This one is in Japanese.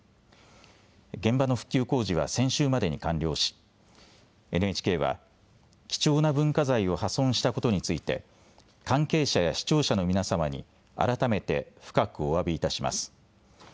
現場の復旧工事は先週までに完了しＮＨＫは貴重な文化財を破損したことについて関係者や視聴者の皆様に改めて深くおわびいたします。